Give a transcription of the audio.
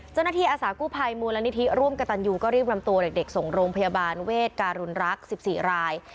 เจ้าหน้าที่อาสากู้ภัยมูลนิธิร่วมกับตันยูก็รีบนำตัวเด็กส่งโรงพยาบาลเวชการรุนรัก๑๔ราย